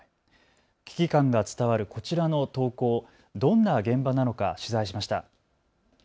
危機感が伝わるこちらの投稿、どんな現場なのか取材しました。